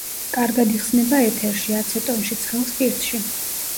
კარგად იხსნება ეთერში, აცეტონში, ცხელ სპირტში.